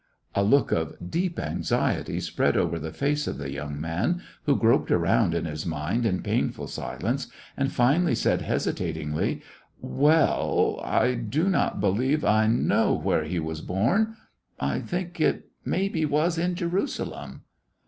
A look of deep anxiety spread over the face of the young man, who groped around in his mind in painful silence, and finally said hesi tatingly: "Well, I do not believe I know where he was born. I think maybe it was in Jerusalem